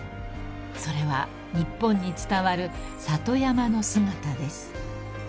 ［それは日本に伝わる里山の姿です］